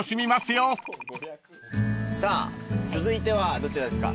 さあ続いてはどちらですか？